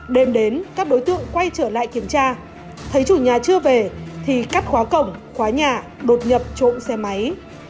đêm đến các đối tượng quay trở lại kiểm tra thấy chủ nhà chưa về thì cắt khóa cổng khóa nhà đột nhập trộm xe máy